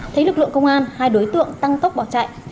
thấy lực lượng công an hai đối tượng tăng tốc bỏ chạy